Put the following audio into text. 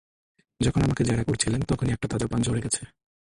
যখন আমাকে জেরা করছিলেন তখনই একটা তাজা প্রাণ ঝড়ে গেছে!